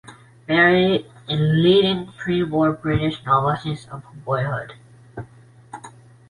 Barrie, a leading pre-war British novelist of boyhood.